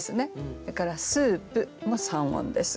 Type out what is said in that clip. それから「スープ」も三音です。